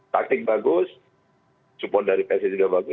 taktik bagus support dari psi juga bagus